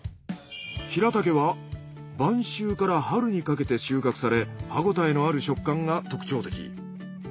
ヒラタケは晩秋から春にかけて収穫され歯ごたえのある食感が特徴的。